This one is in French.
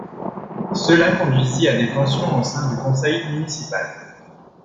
Cela conduisit à des tensions au sein du conseil municipal.